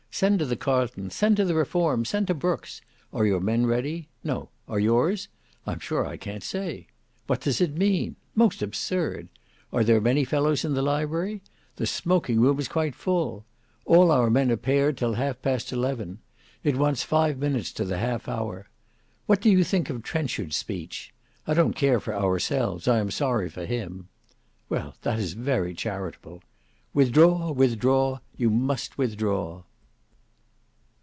Send to the Carlton; send to the Reform; send to Brookes's. Are your men ready? No; are your's? I am sure I can't say. What does it mean? Most absurd! Are there many fellows in the library? The smoking room is quite full. All our men are paired till half past eleven. It wants five minutes to the halfhour. What do you think of Trenchard's speech? I don't care for ourselves; I am sorry for him. Well that is very charitable. Withdraw, withdraw; you must withdraw."